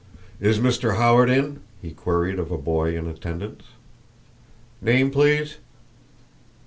"Is Mr. Howard in?" he queried of a boy in attendance. "Name, please."